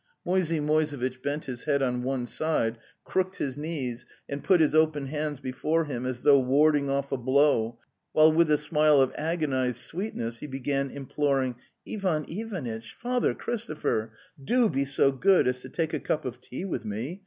Moisey Moisevitch bent his head on one side, crooked his knees, and put his open hands before him as though warding off a blow, while with a smile of agonized sweetness he began imploring: '"Tvan Ivanitch! Father Christopher! Do be so good as to take a cup of tea with me.